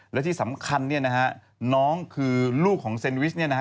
และที่สำคัญเนี่ยนะฮะน้องคือลูกของเซนวิชเนี่ยนะฮะ